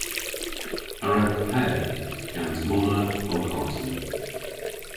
A wrewgh pe gans mona po karten?